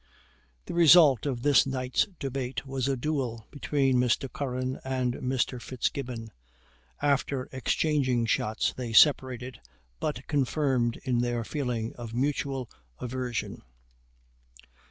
The result of this night's debate was a duel between Mr. Curran and Mr. Fitzgibbon; after exchanging shots, they separated, but confirmed in their feeling of mutual aversion.